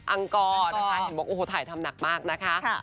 อังกอถ่ายทำหนักมากนะคะ